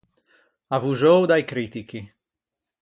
Avvoxou da-i critichi.